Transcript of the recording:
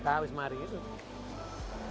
tahap semari itu